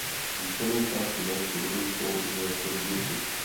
Významnou částí majetku rodu jsou umělecké sbírky.